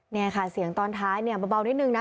นี่ค่ะเสียงตอนท้ายเบานิดหนึ่งนะ